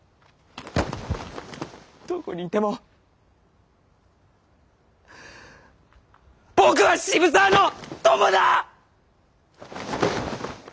どこにいても僕は渋沢の友だ。